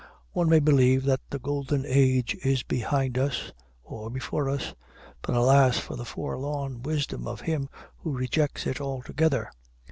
One may believe that the golden age is behind us or before us, but alas for the forlorn wisdom of him who rejects it altogether!